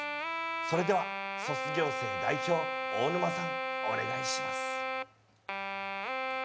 それでは、卒業生代表、大沼さん、お願いします。